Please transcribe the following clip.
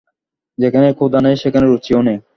যেখানে ক্ষুধা নেই, সেখানে রুচিও নেই।